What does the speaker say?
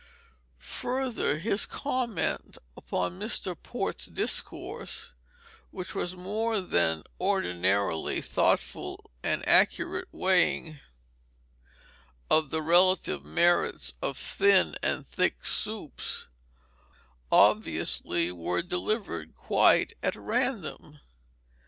Further, his comment upon Mr. Port's discourse which was a more than ordinarily thoughtful and accurate weighing of the relative merits of thin and thick soups obviously were delivered quite at random.